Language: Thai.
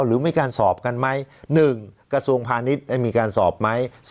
หรือมีการสอบกันมั้ยหนึ่งกระทรวงพาณิชย์ได้มีการสอบไหม